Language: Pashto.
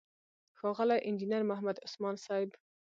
ښاغلی انجينر محمد عثمان صيب،